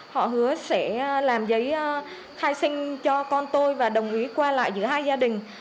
họ hứa sẽ làm giấy khai sinh cho con tôi và đồng ý qua lại giữa hai gia đình